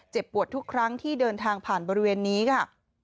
ปวดทุกครั้งที่เดินทางผ่านบริเวณนี้ค่ะ